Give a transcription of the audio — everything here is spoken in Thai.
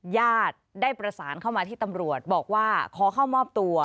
ญาติได้ประสานเข้ามาที่ตำรวจบอกว่าขอเข้ามอบตัว